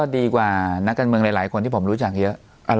ดีกว่านักการเมืองหลายคนที่ผมรู้จักเยอะ